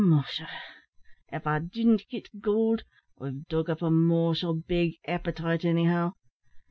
"Musha! av I didn't git goold, I've dug up a mortial big appetite, anyhow.